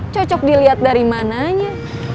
cocok dilihat dari mananya